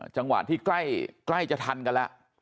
จังหวะที่ใกล้จะทันกันแล้ว